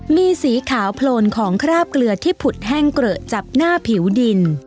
มีสีขาวโพลนของคราบเกลือที่ผุดแห้งเกลอะจับหน้าผิวดิน